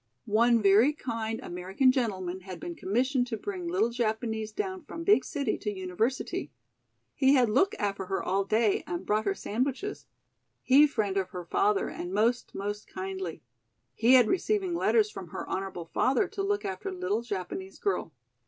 One very kind American gentleman had been commissioned to bring little Japanese down from big city to University. He had look after her all day and brought her sandwiches. He friend of her father and most, most kindly. He had receiving letters from her honorable father to look after little Japanese girl.